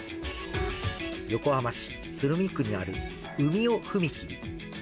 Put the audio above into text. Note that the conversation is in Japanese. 横浜市鶴見区にあるうみお踏切。